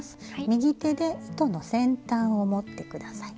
右手で糸の先端を持ってください。